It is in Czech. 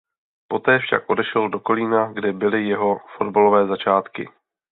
Poté však odešel do Kolína kde byli jeho fotbalové začátky.